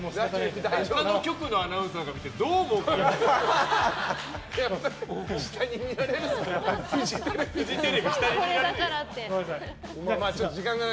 他の局のアナウンサーが見てどう思うかな。